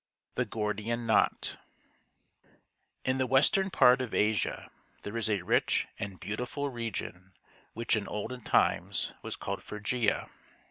THE GORDIAN KNOT In the western part of Asia there is a rich and beautiful region which in olden times was called Phrygia.